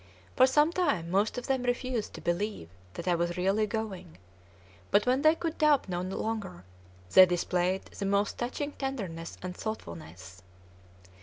For some time most of them refused to believe that I was really going; but when they could doubt no longer, they displayed the most touching tenderness and thoughtfulness.